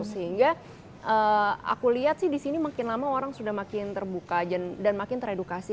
sehingga aku lihat sih di sini makin lama orang sudah makin terbuka dan makin teredukasi